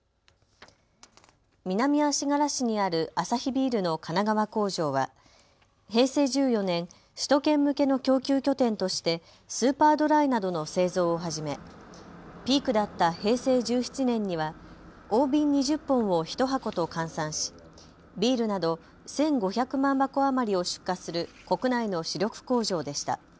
南足柄市にあるアサヒビールの神奈川工場は平成１４年首都圏向けの供給拠点としてスーパードライなどの製造を始めピークだった平成１７年には大瓶２０本を１箱と換算しビールなど１５００万箱余りを出荷する国内の主力工場でした。